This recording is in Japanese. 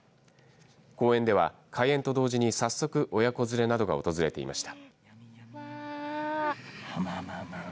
公園では開園と同時に早速親子連れなどが訪れていました。